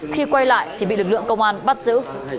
khi quay lại thì bị lực lượng công an bắt giữ